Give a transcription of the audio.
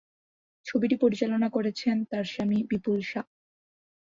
ছবিটি পরিচালনা করেছেন তার স্বামী বিপুল শাহ।